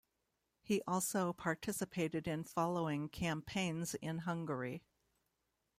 He also participated in following campaigns in Hungary.